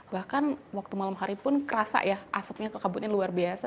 bahkan waktu malam hari pun kerasa ya asapnya ke kabutnya luar biasa